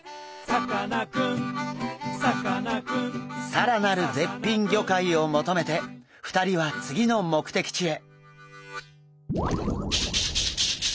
更なる絶品魚介を求めて２人は次の目的地へ。